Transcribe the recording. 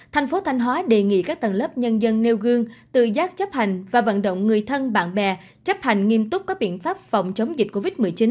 thành phố thanh hóa đề nghị các tầng lớp nhân dân nêu gương tự giác chấp hành và vận động người thân bạn bè chấp hành nghiêm túc các biện pháp phòng chống dịch covid một mươi chín